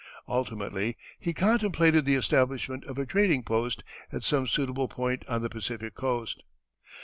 Ultimately he contemplated the establishment of a trading post at some suitable point on the Pacific Coast.